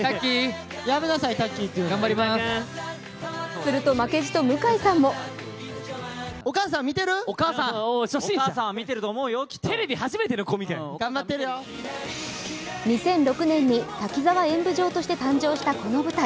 すると、負けじと向井さんも２００６年に「滝沢演舞城」として誕生したこの舞台。